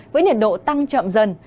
với nhiệt độ tăng chậm dần